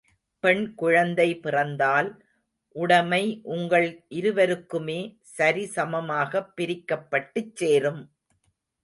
பெண் குழந்தை பிறந்தால், உடமை உங்கள் இருவருக்குமே சரி சமாகப் பிரிக்கப்பட்டுச் சேரும்.